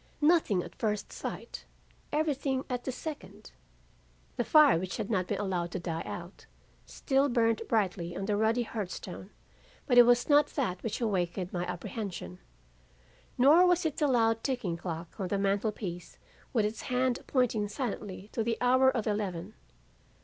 Nothing at first sight, everything at the second. The fire which had not been allowed to die out, still burned brightly on the ruddy hearthstone, but it was not that which awakened my apprehension. Nor was it the loud ticking clock on the mantel piece with its hand pointing silently to the hour of eleven.